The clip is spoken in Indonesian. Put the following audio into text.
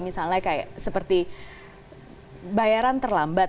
misalnya kayak seperti bayaran terlambat